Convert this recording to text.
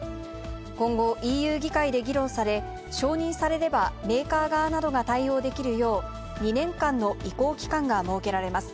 今後、ＥＵ議会で議論され、承認されればメーカー側などがたいおうにたいする、対応できるよう、２年間の移行期間が設けられます。